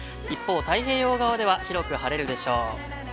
一方、太平洋側では広く晴れるでしょう。